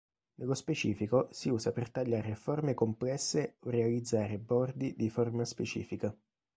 Nello specifico si usa per tagliare forme complesse o realizzare bordi di forma specifica.